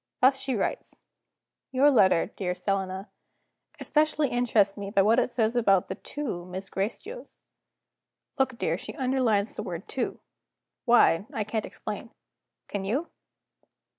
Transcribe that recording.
Thus she writes: "'Your letter, dear Selina, especially interests me by what it says about the two Miss Gracedieus. ' Look, dear; she underlines the word Two. Why, I can't explain. Can you?